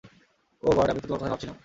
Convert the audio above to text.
ওহ god, আমি তো তোমার কথাই ভাবছিলাম।